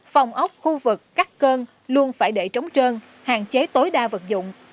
phòng ốc khu vực cắt cơn luôn phải để trống trơn hạn chế tối đa vật dụng